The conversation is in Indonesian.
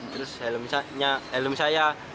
terus helm saya